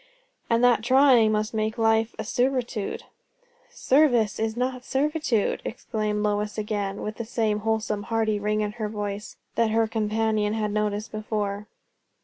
"And that trying must make life a servitude." "Service not servitude!" exclaimed Lois again, with the same wholesome, hearty ring in her voice that her companion had noticed before.